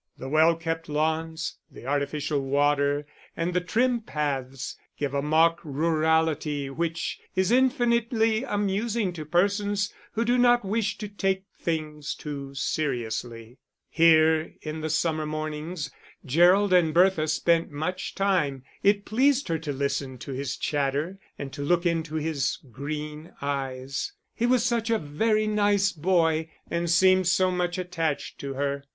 The well kept lawns, the artificial water and the trim paths, give a mock rurality which is infinitely amusing to persons who do not wish to take things too seriously. Here, in the summer mornings, Gerald and Bertha spent much time. It pleased her to listen to his chatter, and to look into his green eyes; he was such a very nice boy, and seemed so much attached to her!